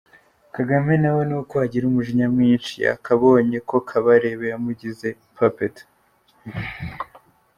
Kagame nawe nuko agira umujinya mwinshi yakabonye ko Kabarebe yamugize puppet.